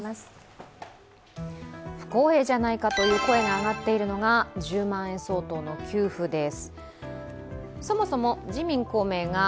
不公平じゃないかという声が上がっているのが１０万円相当の給付です。